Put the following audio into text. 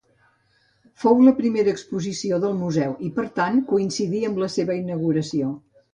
Fou la primera exposició del Museu i, per tant, coincidí amb la seva inauguració.